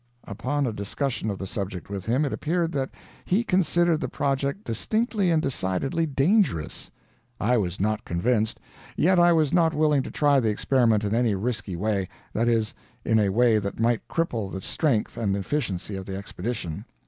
Upon a discussion of the subject with him, it appeared that he considered the project distinctly and decidedly dangerous. I was not convinced, yet I was not willing to try the experiment in any risky way that is, in a way that might cripple the strength and efficiency of the Expedition.